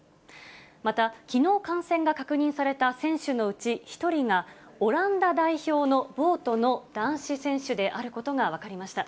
また、きのう感染が確認された選手のうち１人が、オランダ代表のボートの男子選手であることが分かりました。